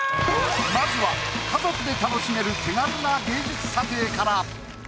まずは家族で楽しめる手軽な芸術査定から。